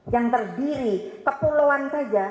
yang terdiri ke pulauan saja